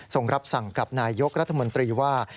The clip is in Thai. ส่งรับสั่งกับนายยกรัฐมนตรีว่า